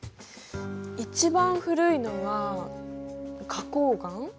一番古いのは花こう岩？